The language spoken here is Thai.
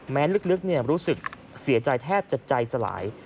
ลึกรู้สึกเสียใจแทบจะใจสลาย